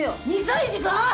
２歳児か！？